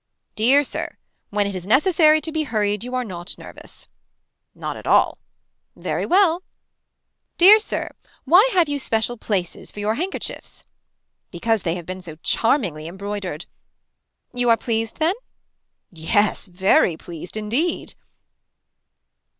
Dear sir. When it is necessary to be hurried you are not nervous. Not at all. Very well. Dear Sir. Why have you special places for your handkerchiefs. Because they have been so charmingly embroidered. You are pleased then. Yes very pleased indeed.